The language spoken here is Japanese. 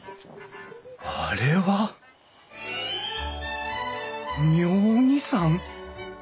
あれは妙義山！